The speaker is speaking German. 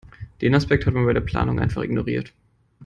Den Aspekt hat man bei der Planung einfach ignoriert.